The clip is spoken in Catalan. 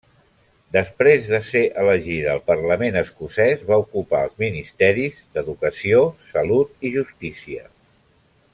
Després de ser elegida al Parlament Escocès, va ocupar els ministeris d'Educació, Salut i Justícia.